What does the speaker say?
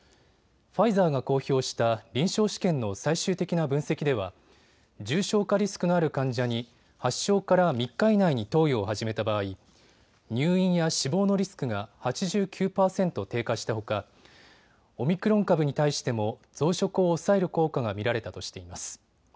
ファイザーが公表した臨床試験の最終的な分析では重症化リスクのある患者に発症から３日以内に投与を始めた場合、入院や死亡のリスクが８９％低下したほかオミクロン株に対しても増殖を抑える効果が見られたとしています。